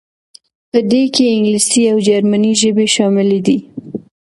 په دې کې انګلیسي او جرمني ژبې شاملې دي.